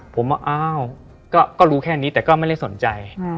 ผมว่าอ้าวก็รู้แค่นี้แต่ก็ไม่ได้สนใจ